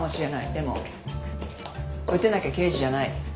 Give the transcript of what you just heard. でも撃てなきゃ刑事じゃない。